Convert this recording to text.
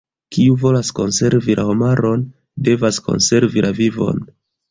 Kiu volas konservi la homaron, devas konservi la vivon.